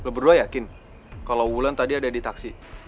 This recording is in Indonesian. gue berdua yakin kalau wulan tadi ada di taksi